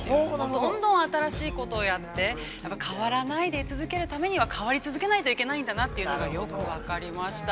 どんどん新しいことをやって、やっぱり変わらないでい続けるためには変わり続けないといけないんだなというのが、よく分かりました。